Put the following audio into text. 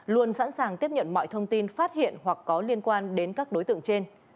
luôn sẵn sàng tiếp nhận mọi thông tin phát hiện hoặc có liên quan đến các đối tượng trên